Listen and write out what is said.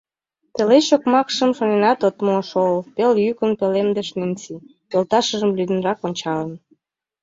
— Тылеч окмакшым шоненат от му шол, — пеле йӱкын палемдыш Ненси, йолташыжым лӱдынрак ончалын.